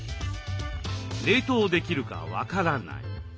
「冷凍できるか分からない」。